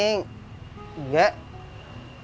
kalau yang seperti ini